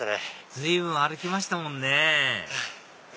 随分歩きましたもんね